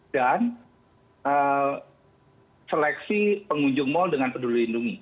dan seleksi pengunjung mal dengan peduli lindungi